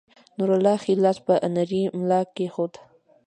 نورالله ښے لاس پۀ نرۍ ملا کېښود